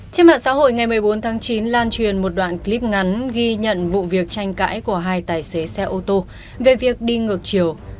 trên mạng xã hội ngày một mươi bốn tháng chín lan truyền một đoạn clip ngắn ghi nhận vụ việc tranh cãi của hai tài xế xe ô tô về việc đi ngược chiều